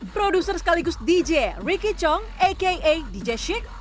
produser sekaligus dj ricky cheong aka dj sieg